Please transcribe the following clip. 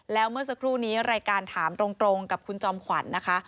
แล้วเมื่อสักครู่นี้รายการถามตรงกับคุณจอมขวัญนะคะ